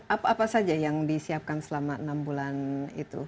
apa apa saja yang disiapkan selama enam bulan itu